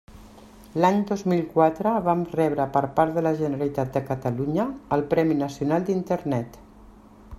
L'any dos mil quatre vam rebre per part de la Generalitat de Catalunya el Premi Nacional d'Internet.